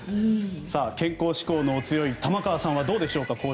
健康志向の強い玉川さんはどうでしょうか。